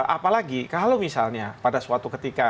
apalagi kalau misalnya pada suatu ketika